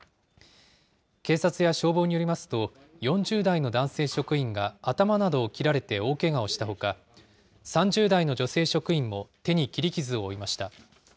警察や消防によりますと、４０代の男性職員が頭などを切られて大けがをしたほか、３０代の女性職員も手に切り傷を負いました。